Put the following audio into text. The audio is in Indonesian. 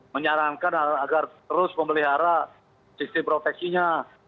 menyarankan agar terus memelihara sistem proteksinya